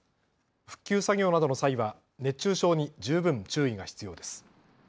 復旧作業などの際は熱中症に十分注意が必要です。